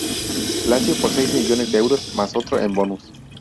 Lazio por seis millones de euros más otro en bonus.